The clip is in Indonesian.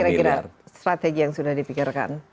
kira kira strategi yang sudah dipikirkan